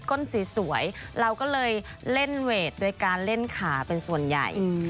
้นสวยเราก็เลยเล่นเวทโดยการเล่นขาเป็นส่วนใหญ่